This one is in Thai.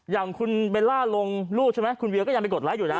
อย่างคุณเบลล่าลงรูปใช่ไหมคุณเวียก็ยังไปกดไลค์อยู่นะ